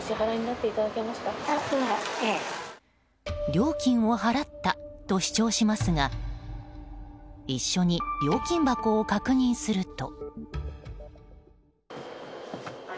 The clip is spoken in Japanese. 料金を払ったと主張しますが一緒に料金箱を確認すると。